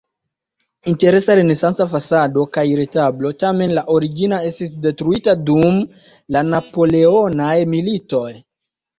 Interesa renesanca fasado kaj retablo, tamen la origina estis detruita dum la napoleonaj militoj.